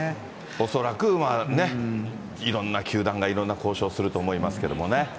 恐らく、いろんな球団がいろんな交渉すると思いますけれどもね。